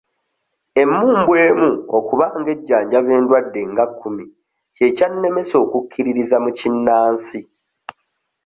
Emmumbwa emu okuba ng'ejjanjaba endwadde nga kkumi kye kyannemesa okukkiririza mu kinnansi.